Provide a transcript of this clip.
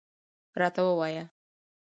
راته ووایه.